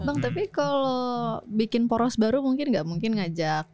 bang tapi kalau bikin poros baru mungkin gak mungkin ngajak